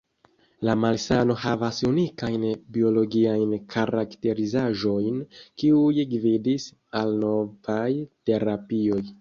La malsano havas unikajn biologiajn karakterizaĵojn, kiuj gvidis al novaj terapioj.